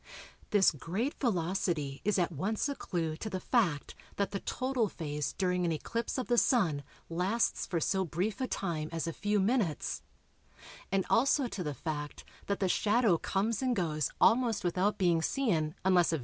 This great velocity is at once a clue to the fact that the total phase during an eclipse of the Sun lasts for so brief a time as a few minutes; and also to the fact that the shadow comes and goes almost without being seen unless a very sharp watch is kept for it.